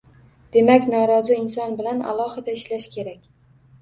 Demak, norozi inson bilan alohida ishlash kerak.